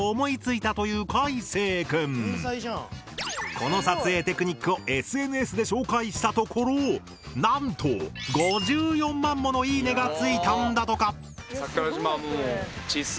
この撮影テクニックをＳＮＳで紹介したところなんと５４万もの「いいね！」がついたんだとか！っていうふうに思いました。